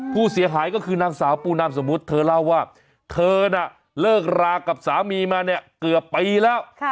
ผู้เสียหายก็คือนางสาวปูนามสมมุติเธอเล่าว่าเธอน่ะเลิกรากับสามีมาเนี่ยเกือบปีแล้ว